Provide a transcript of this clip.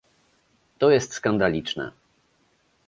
To jest skandaliczne